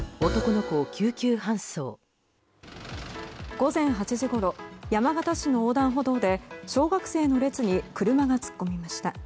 午前８時ごろ山形市の横断歩道で小学生の列に車が突っ込みました。